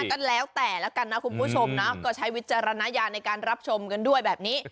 ก็แล้วแต่ละกันนะคุณผู้ชมนะก็ใช้วิจารณญาณในการรับชมกันด้วยแบบนี้